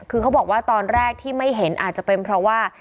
คือเขาบอกว่าตอนแรกที่ไม่เห็นอาจจะเป็นเพราะว่า